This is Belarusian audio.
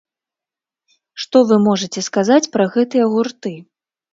Што вы можаце сказаць пра гэтыя гурты?